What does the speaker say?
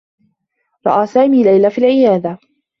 رأى سامي ليلى في العيادة.